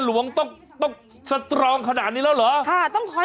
เราจัดเวลาสิเฮ้ยเราจัดเวลาสิเฮ้ย